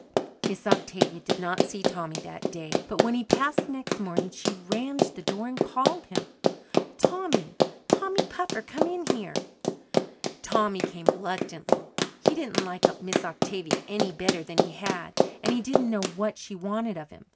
Miss Octavia did not see Tommy that day, but when he passed the next morning she ran to the door and called him. "Tommy, Tommy Puffer, come in here!" Tommy came reluctantly. He didn't like Miss Octavia any better than he had, and he didn't know what she wanted of him.